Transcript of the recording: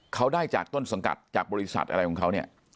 เขาได้จากต้นสังกัดจากบริษัทอะไรของเขาเนี่ย